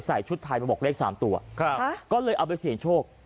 ชุดไทยมาบอกเลข๓ตัวก็เลยเอาไปเสี่ยงโชค